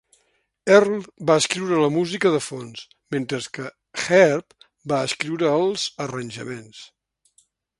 Earle va escriure la música de fons, mentre que Herb va escriure els arranjaments.